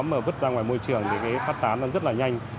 mà vứt ra ngoài môi trường thì phát tán rất là nhanh